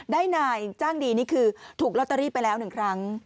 นายจ้างดีนี่คือถูกลอตเตอรี่ไปแล้ว๑ครั้ง